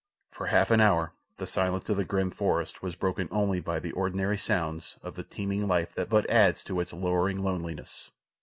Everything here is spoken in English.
For half an hour the silence of the grim forest was broken only by the ordinary sounds of the teeming life that but adds to its lowering loneliness.